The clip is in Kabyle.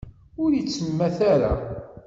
Ur ittemmat ara.